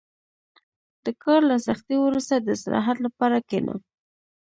• د کار له سختۍ وروسته، د استراحت لپاره کښېنه.